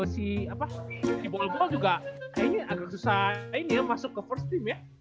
si ball ball juga agak susah masuk ke first team ya